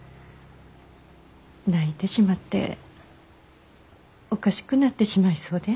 泣いてしまっておかしくなってしまいそうで。